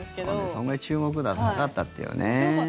それくらい注目度が高かったっていうね。